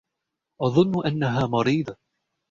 أظن أنها مريضة.